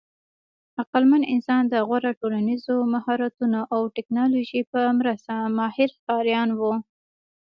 عقلمن انسان د غوره ټولنیزو مهارتونو او ټېکنالوژۍ په مرسته ماهر ښکاریان وو.